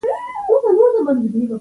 راکټ د فزیک د اصولو کارونه ښيي